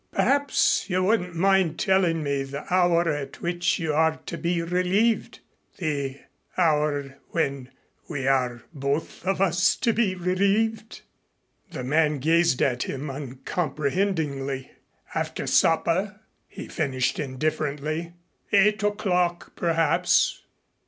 Perhaps you wouldn't mind telling me the hour at which you are to be relieved the hour when we are both of us to be relieved?" The man gazed at him uncomprehendingly. "After supper." He finished indifferently, "Eight o'clock, perhaps."